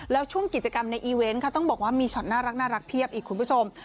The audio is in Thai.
แล้วช่วงกิจกรรมในอีเวนต์ค่ะต้องบอกว่ามีช็อตน่ารักเพียบอีกคุณผู้ชม